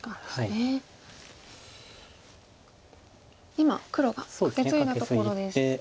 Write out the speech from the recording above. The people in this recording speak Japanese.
今黒がカケツイだところです。